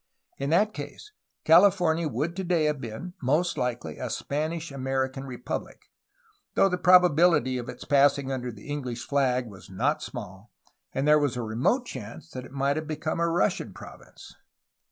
In that case California would today have been, most likely, a Spanish American republic, though the probability of its passing under the English flag was not small and there was a remote chance that it might have become a Russian province.